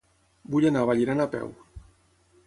Vull anar a Vallirana a peu.